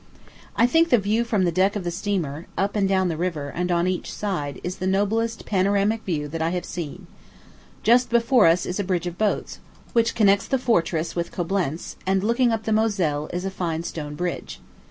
I think the view from the deck of the steamer, up and down the river, and on each side, is the noblest panoramic view that I have seen. Just before us is a bridge of boats, which connects the fortress with Coblentz; and, looking up the Moselle, is a fine stone bridge.